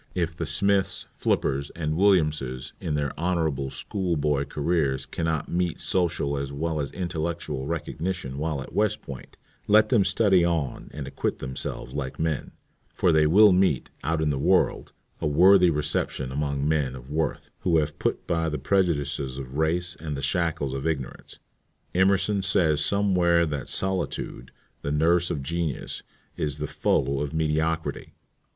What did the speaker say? . If the Smiths, Flippers, and Williamses in their honorable school boy careers can not meet social as well as intellectual recognition while at West Point, let them study on and acquit themselves like men, for they will meet, out in the world, a worthy reception among men of worth, who have put by the prejudices of race and the shackles of ignorance. Emerson says somewhere that "Solitude, the nurse of Genius, is the foe of mediocrity."